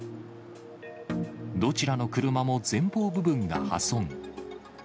どちらの車も前方部分が破損。